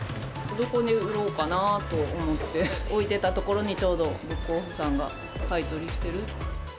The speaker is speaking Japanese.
どこに売ろうかなと思って、置いてたところにちょうどブックオフさんが買い取りしてるって。